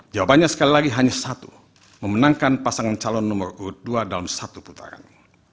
jawabannya sekali lagi hanya satu memenangkan pasangan calon nomor urut dua dalam satu putaran